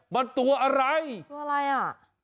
มันตัวอะไรตัวอะไรอ่ะ